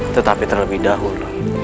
tetapi terlebih dahulu